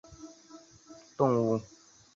鼻肢闽溪蟹为溪蟹科闽溪蟹属的动物。